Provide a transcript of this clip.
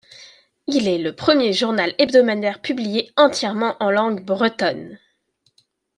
Il est le premier journal hebdomadaire publié entièrement en langue bretonne.